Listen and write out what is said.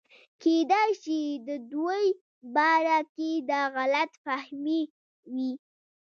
کېدے شي دَدوي باره کښې دا غلط فهمي وي